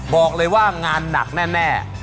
บอกเลยว่างานหนักแน่